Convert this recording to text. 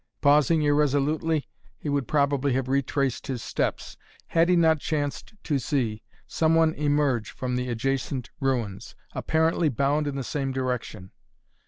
Pausing irresolutely, he would probably have retraced his steps, had he not chanced to see some one emerge from the adjacent ruins, apparently bound in the same direction.